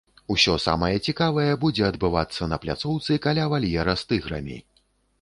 Усё самае цікавае будзе адбывацца на пляцоўцы каля вальера з тыграмі.